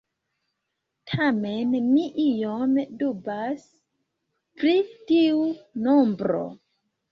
Tamen mi iom dubas pri tiu nombro.